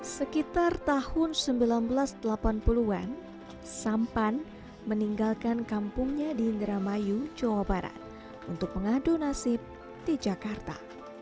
sekitar tahun seribu sembilan ratus delapan puluh an sampan meninggalkan kampungnya di indramayu jawa barat untuk mengadu nasib di jakarta